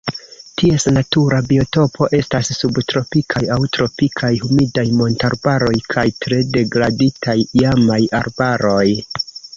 Ties natura biotopo estas subtropikaj aŭ tropikaj humidaj montarbaroj kaj tre degraditaj iamaj arbaroj.